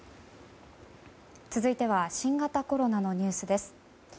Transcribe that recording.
続いては新型コロナのニュースです。